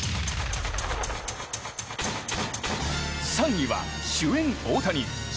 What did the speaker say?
３位は、主演・大谷！